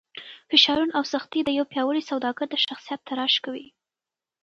فشارونه او سختۍ د یو پیاوړي سوداګر د شخصیت تراش کوي.